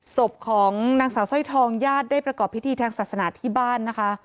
ศพของนางสาวสร้อยทองญาติได้ประกอบพิธีทางศาสนาที่บ้านนะคะ